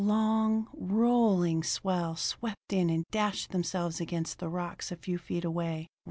Long, rolling swell swept in and dashed themselves against the rocks a few feet away.